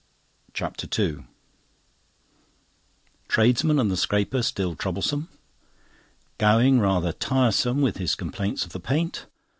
CHAPTER II Tradesmen and the scraper still troublesome. Gowing rather tiresome with his complaints of the paint.